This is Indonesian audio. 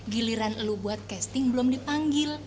giliran lu buat casting belum dipanggil